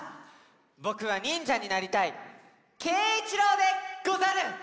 ぼくはにんじゃになりたいけいいちろうでござる。